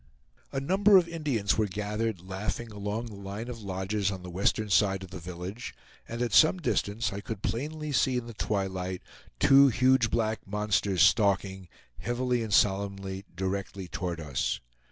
A number of Indians were gathered, laughing, along the line of lodges on the western side of the village, and at some distance, I could plainly see in the twilight two huge black monsters stalking, heavily and solemnly, directly toward us.